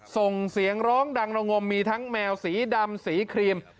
ส่งเสียงร้องดังระงมมีทั้งแมวสีดำสีครีม